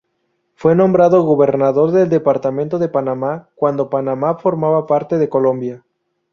Fue nombrado gobernador del Departamento de Panamá, cuando Panamá formaba parte de Colombia.